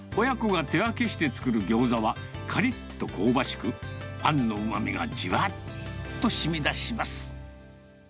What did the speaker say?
親子が手分けして作るギョーザは、かりっと香ばしく、あんのうまみがじわっとしみ出します。